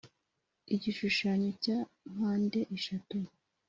igishushanyo cya mpande eshatu.